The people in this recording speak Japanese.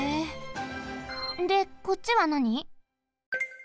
でこっちはなに？